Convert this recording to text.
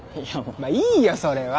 まあいいよそれは。